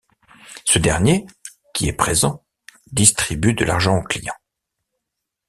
Ce dernier, qui est présent, distribue de l'argent aux clients.